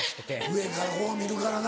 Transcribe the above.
上からこう見るからな。